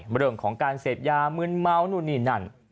เรื่องของการเสพยามืนเมานู่นนี่นั่น